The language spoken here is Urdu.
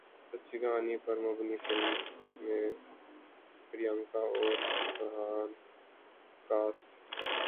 سچی کہانی پر مبنی فلم میں پریانکا اور فرحان کاسٹ